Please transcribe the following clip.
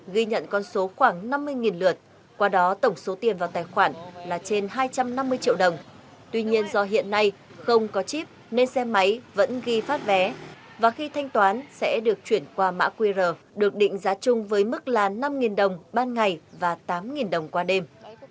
ghi nhận con số khoảng năm mươi lượt qua đó tổng số tiền vào tài khoản là trên hai trăm năm mươi triệu đồng tuy nhiên do hiện nay không có chip nên xe máy vẫn ghi phát vé và khi thanh toán sẽ được chuyển qua mã qr được định giá chung với mức là năm đồng ban ngày và tám đồng qua đêm